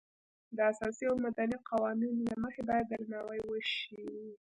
د اساسي او مدني قوانینو له مخې باید درناوی وشي.